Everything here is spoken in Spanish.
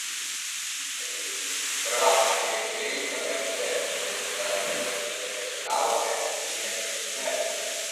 El primero es el simbolismo de los números.